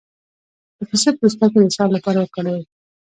د پسته پوستکی د اسهال لپاره وکاروئ